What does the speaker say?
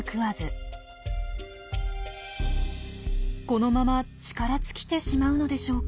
このまま力尽きてしまうのでしょうか。